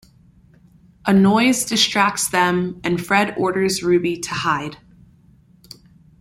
A noise distracts them and Fred orders Ruby to hide.